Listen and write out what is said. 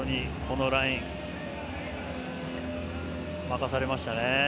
このラインに任されましたね。